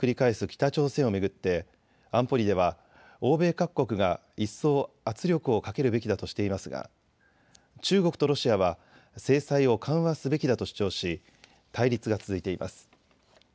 北朝鮮を巡って安保理では欧米各国が一層圧力をかけるべきだとしていますが中国とロシアは制裁を緩和すべきだと主張し対立が続いています。